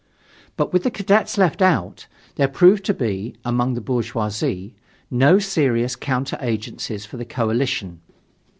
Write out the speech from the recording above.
But with the Cadets left out, there proved to be, among the bourgeoisie, no serious counter agencies for the coalition.